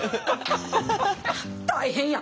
大変や！